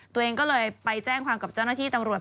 ตัวเองก็เลยไปแจ้งความกับเจ้าหน้าที่ตำรวจ